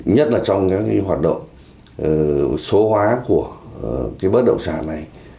nhất là trong các hoạt động số hóa của bất đồng sản này